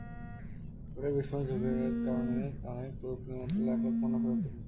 Battery বিস্ফোরণের ঝুঁকির কারণে অনেক প্রযুক্তিপণ্য নির্মাতা লাখ লাখ পণ্য ফেরত নিয়েছে।